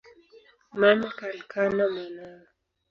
Mame kankana mwanawe